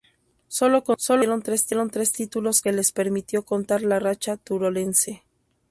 Solo consiguieron tres títulos que les permitió cortar la racha turolense.